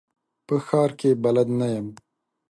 په ښار کي بلد نه یم .